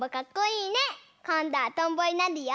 こんどはとんぼになるよ。